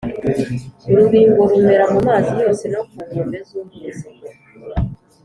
Urubingo rumera mu mazi yose no ku nkombe z’uruzi,